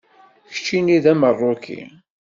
Keččini d Ameṛṛuki.